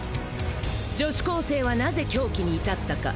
「女子高生は何故狂気に至ったか？